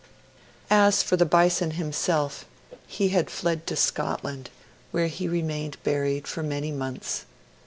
As for the Bison himself, he had fled to Scotland where he remained buried for many months.